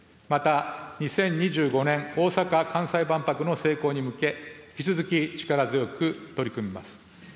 また２０２５年大阪・関西万博の成功に向け、引き続き力強く取り組みます。